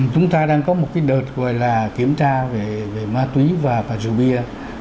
chúng ta đang có một đợt gọi là kiểm tra về ma túy và rượu bia